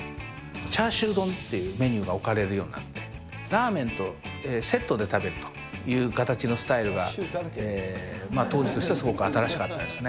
チャーシュー丼っていうメニューが置かれるようになって、ラーメンとセットで食べるという形のスタイルが当時としてはすごく新しかったですね。